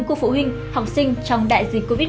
của phụ huynh học sinh trong đại dịch covid một mươi